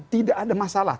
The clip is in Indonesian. tidak ada masalah